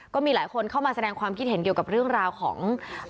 ก็มีหลายคนเข้ามาแสดงความคิดเห็นเกี่ยวกับเรื่องราวของ